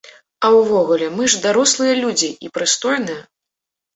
А ўвогуле, мы ж дарослыя людзі і прыстойныя.